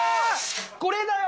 これだよ！